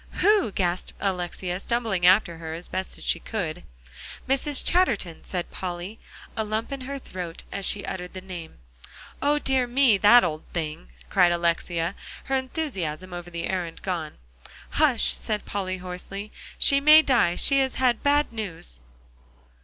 "Who?" gasped Alexia, stumbling after as best she could. "Mrs. Chatterton," said Polly, a lump in her throat as she uttered the name. "O, dear me! that old thing," cried Alexia, her enthusiasm over the errand gone. "Hush!" said Polly hoarsely; "she may die. She has had bad news."